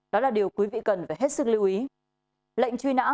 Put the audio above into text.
đó là điều quý vị cần phải hết sức lưu ý